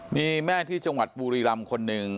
มีแม่ที่จังหวัดบุรีรำคนหนึ่ง